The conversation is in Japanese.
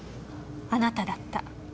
あなただった。